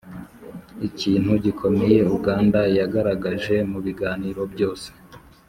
ikintu gikomeye uganda yagaragaje mu biganiro byose